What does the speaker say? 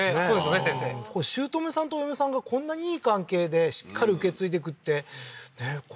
そうですよね先生しゅうとめさんとお嫁さんがこんなにいい関係でしっかり受け継いでくってねえ